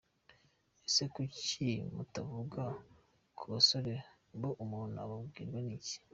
ese kuki mutavuga kubasore bo umuntu ababwirwa niki.